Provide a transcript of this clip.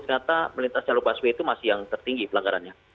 ternyata melintas jalur busway itu masih yang tertinggi pelanggarannya